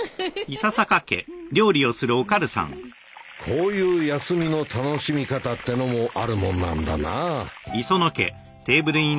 こういう休みの楽しみ方ってのもあるもんなんだな